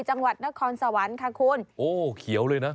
จังหวัดนครสวรรค์ค่ะคุณโอ้เขียวเลยนะ